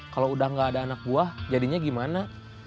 kalau udah gak ada anak buah jadinya gimana